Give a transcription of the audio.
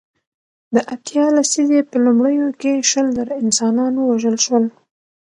د اتیا لسیزې په لومړیو کې شل زره انسانان ووژل شول.